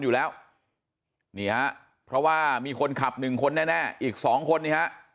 อยู่แล้วนี่ฮะเพราะว่ามีคนขับหนึ่งคนแน่อีกสองคนนี่ฮะ